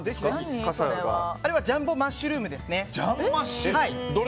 あれはジャンボマッシュルームですね。